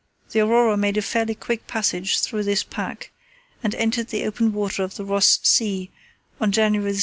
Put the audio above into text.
The Aurora made a fairly quick passage through the pack and entered the open water of the Ross Sea on January 7, 1917.